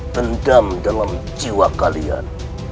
dendam dalam jiwa kalian